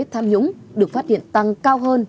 tham nhũng được phát hiện tăng cao hơn